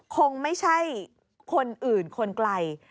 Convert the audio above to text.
คงไม่ใช่คนอื่นคนไกล